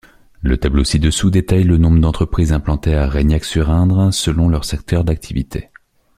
Le tableau ci-dessous détaille le nombre d'entreprises implantées à Reignac-sur-Indre selon leur secteur d'activité.